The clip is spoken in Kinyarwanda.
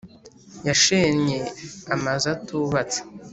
yashenye amazu atubatse